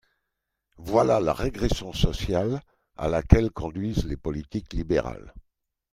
Voilà la régression sociale à laquelle conduisent les politiques libérales